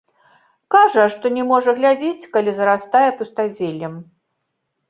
Кажа, што не можа глядзець, калі зарастае пустазеллем.